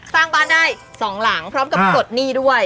สร้างบ้านได้๒หลังพร้อมกับปลดหนี้ด้วย